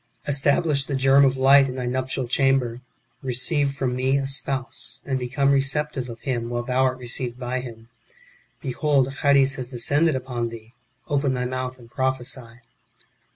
Establish the germ of light in thy nuptial chamber. Keceive from me a spouse, and become receptive of him, while thou art received by him. Behold Charis has descended upon thee ; open thy mouth and prophesy."